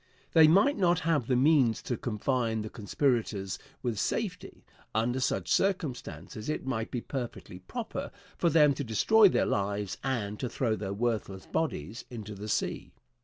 They might not have the means to confine the conspirators with safety. Under such circumstances it might be perfectly proper for them to destroy their lives and to throw their worthless bodies into the sea.